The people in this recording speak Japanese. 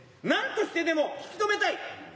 なんとしてでも引き止めたい。